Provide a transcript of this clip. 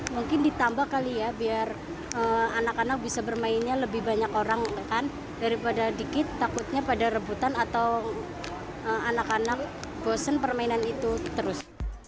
mungkin ditambah kali ya biar anak anak bisa bermainnya lebih banyak orang daripada dikit takutnya pada rebutan atau anak anak bosen permainan itu terus